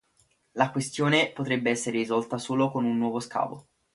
La questione potrebbe essere risolta solo con un nuovo scavo.